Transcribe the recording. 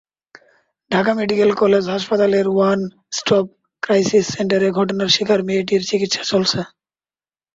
Dhaka medical college হাসপাতালের one stop crisis সেন্টারে ঘটনার শিকার মেয়েটির চিকিৎসা চলছে।